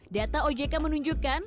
data ojk menunjukkan